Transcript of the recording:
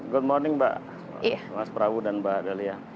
good morning mbak mas perawu dan mbak dalia